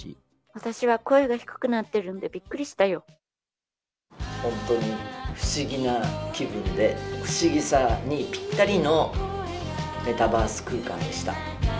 私は声が低くなってるんで、本当に不思議な気分で、不思議さにぴったりのメタバース空間でした。